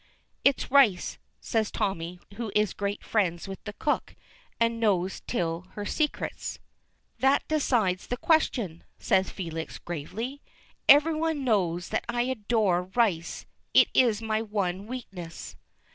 "It's rice," says Tommy, who is great friends with the cook, and knows till her secrets. "That decides the question," says Felix gravely. "Every one knows that I adore rice. It is my one weakness."